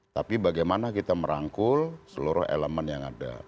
tapi bagaimana kita merangkul seluruh elemen yang ada